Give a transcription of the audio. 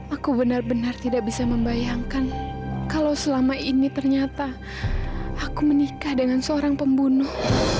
aku benar benar tidak bisa membayangkan kalau selama ini ternyata aku menikah dengan seorang pembunuh